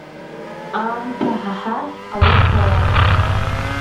Аамҭа ҳа ҳахь аус ауан.